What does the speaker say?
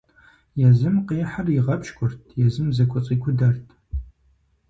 Езым къихьыр игъэпщкӀурт, езым зыкӀуэцӀикудэрт.